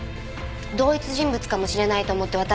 同一人物かもしれないと思って私。